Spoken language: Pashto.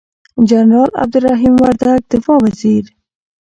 جنرال عبدالرحیم وردگ دفاع وزیر،